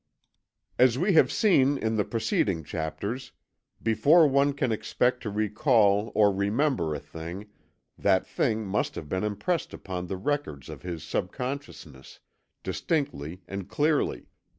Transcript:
As we have seen in the preceding chapters, before one can expect to recall or remember a thing, that thing must have been impressed upon the records of his subconsciousness, distinctly and clearly.